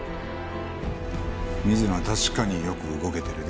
水野は確かによく動けてる。